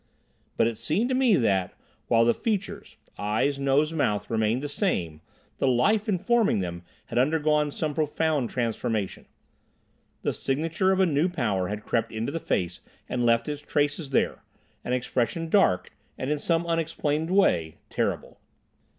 But it seemed to me that, while the features—eyes, nose, mouth—remained the same, the life informing them had undergone some profound transformation. The signature of a new power had crept into the face and left its traces there—an expression dark, and in some unexplained way, terrible.